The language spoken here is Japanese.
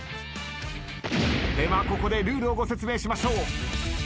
ではここでルールをご説明しましょう。